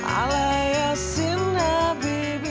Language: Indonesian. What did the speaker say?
allah ya allah